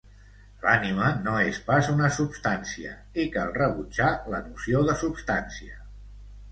L'ànima no és pas una substància, i cal rebutjar la noció de substància.